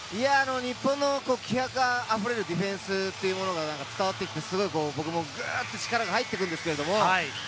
日本の気迫あふれるディフェンスが伝わってきて、僕もぐっと力が入ってくるんですけれど。